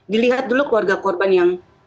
dilihat dulu keluarga korban yang